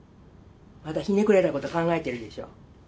またひねくれたこと考えてるでしょ？